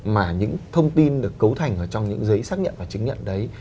mà những thông tin được cấu thành ở trong những giấy xác nhận và chứng nhận đấy